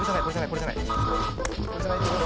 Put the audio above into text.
これじゃないけど。